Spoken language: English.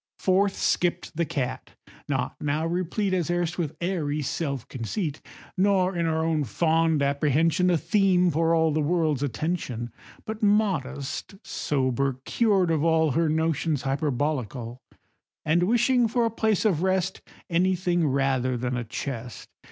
Forth skipp'd the cat, not now replete As erst with airy self conceit, Nor in her own fond apprehension A theme for all the world's attention, But modest, sober, cured of all Her notions hyperbolical, And wishing for a place of rest Any thing rather than a chest.